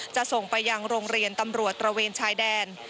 ส่งไปยังโรงเรียนตำรวจตระเวนชายแดน